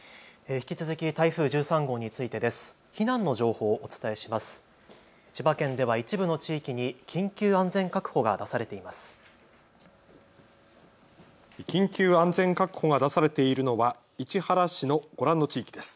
引き続き台風１３号についてです。